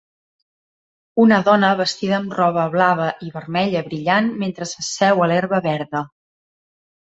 Una dona vestida amb roba blava i vermella brillant mentre s'asseu a l'herba verda.